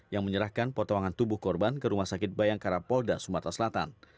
yang menyerahkan potongan tubuh korban ke rumah sakit bayangkara polda sumatera selatan